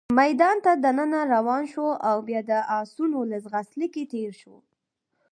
میدان ته دننه روان شوو، او بیا د اسونو له ځغاست لیکې تېر شوو.